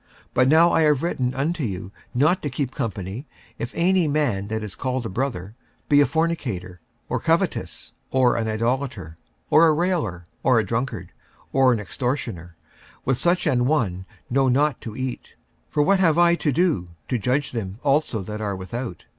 46:005:011 But now I have written unto you not to keep company, if any man that is called a brother be a fornicator, or covetous, or an idolater, or a railer, or a drunkard, or an extortioner; with such an one no not to eat. 46:005:012 For what have I to do to judge them also that are without?